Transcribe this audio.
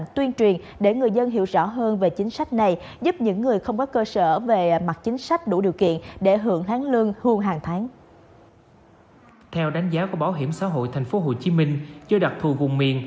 theo đánh giá của bảo hiểm xã hội tp hcm chưa đặc thù vùng miền